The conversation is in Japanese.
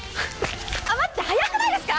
待って、速くないですか。